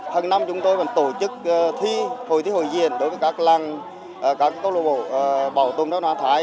hằng năm chúng tôi vẫn tổ chức thi hội thi hội diện đối với các làng các câu lạc bộ bảo tồn văn hóa thái